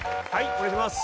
お願いします。